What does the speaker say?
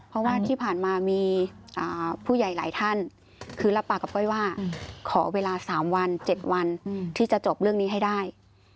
เพราะว่าที่ผ่านมามีผู้ใหญ่หลายท่านคือรับปากกับก้อยว่าขอเวลา๓วัน๗วันที่จะจบเรื่องนี้ให้ได้